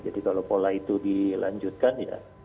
jadi kalau pola itu dilanjutkan ya